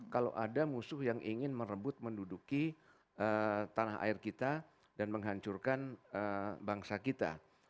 kalau ada musuh yang ingin merebut menduduki tanah air kita dan menghancurkan bangsa kita